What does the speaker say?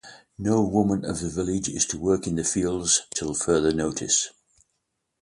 No woman of the village is to work in the fields till further notice.